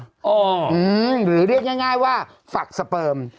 อ๋ออืมหรือเรียกง่ายว่าฝักสเปิร์ม